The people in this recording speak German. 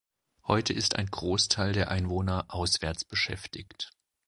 Heute ist ein Großteil der Einwohner auswärts beschäftigt.